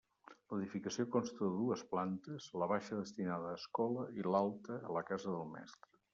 L'edificació consta de dues plantes, la baixa destinada a escola i l'alta a la casa del mestre.